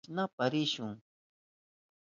Imashnapas rishun.